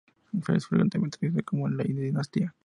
Es frecuentemente traducido como "ley dinástica".